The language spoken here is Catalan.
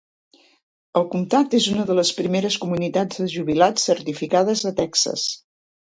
El comtat és una de les primeres comunitats de jubilats certificades de Texas.